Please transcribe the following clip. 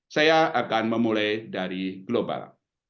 saya akan memulai dari global